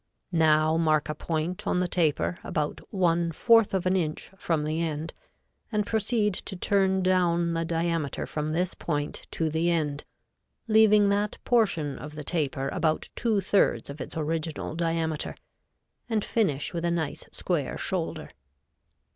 Now mark a point on the taper about one fourth of an inch from the end, and proceed to turn down the diameter from this point to the end, leaving that portion of the taper about two thirds of its original diameter, and finish with a nice square shoulder.